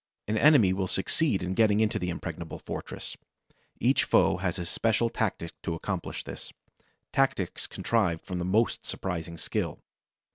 An enemy will succeed in getting into the impregnable fortress. Each foe has his special tactics to accomplish this—tactics contrived with the most surprising skill.